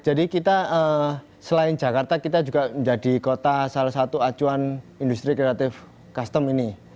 jadi kita selain jakarta kita juga menjadi kota salah satu acuan industri kreatif custom ini